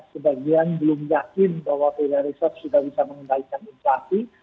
sebagian belum yakin bahwa teda riset sudah bisa mengendalikan insafi